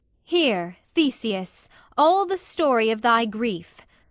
_] Hear, Theseus, all the story of thy grief!